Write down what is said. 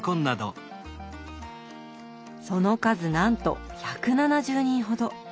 その数なんと１７０人ほど。